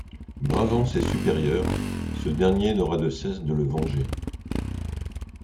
Bravant ses supérieurs, ce dernier n'aura de cesse de le venger.